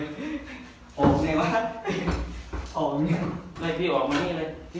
ตอนนี้ก็ไม่มีเวลาให้กลับไปแต่ตอนนี้ก็ไม่มีเวลาให้กลับไป